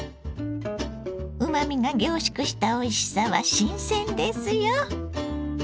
うまみが凝縮したおいしさは新鮮ですよ。